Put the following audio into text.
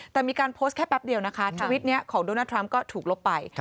แต่มีการโพสต์แค่แป๊บเดียวนะคะทวิตนี้ของโดนัลดทรัมป์ก็ถูกลบไป